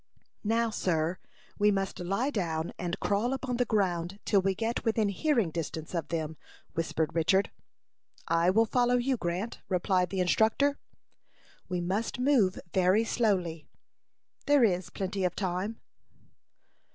"Now, sir, we must lie down and crawl upon the ground till we get within hearing distance of them," whispered Richard. "I will follow you, Grant," replied the instructor. "We must move very slowly." "There is plenty of time."